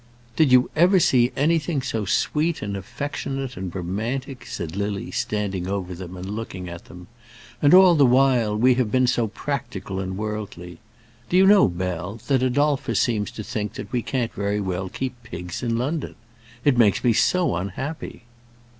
"Did you ever see anything so sweet and affectionate and romantic?" said Lily, standing over them and looking at them. "And all the while we have been so practical and worldly. Do you know, Bell, that Adolphus seems to think we can't very well keep pigs in London. It makes me so unhappy."